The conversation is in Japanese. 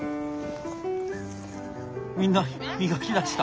みんな磨きだした。